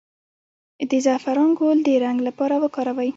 د زعفران ګل د رنګ لپاره وکاروئ